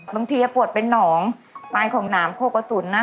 บางทีปวดเป็นน้องตายของน้ำโขแก้วสุลนะ